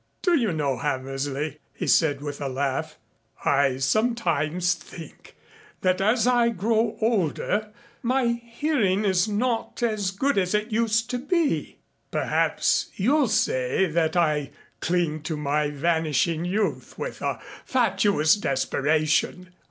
"Do you know, Hammersley," he said with a laugh, "I sometimes think that as I grow older my hearing is not as good as it used to be. Perhaps you'll say that I cling to my vanishing youth with a fatuous desperation.